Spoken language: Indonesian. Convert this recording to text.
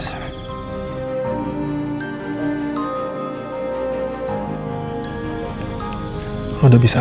sekarang lo percayakan sama gue